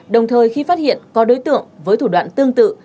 đồng thời khi phát hiện có đối tượng với thủ đoạn tương tự